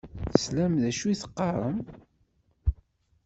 Teslam d acu i d-qqaṛen?